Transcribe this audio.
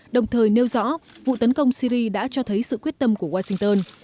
đồng thời nêu rõ vụ tấn công syri đã cho thấy sự quyết tâm của washington